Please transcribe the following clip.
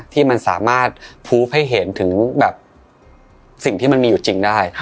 ที่มันสามารถพูฟให้เห็นถึงแบบสิ่งที่มันมีอยู่จริงได้